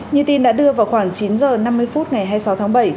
như tin đã đưa vào khoảng chín h năm mươi phút ngày hai mươi sáu tháng bảy